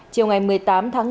chiều ngày một mươi tám tháng năm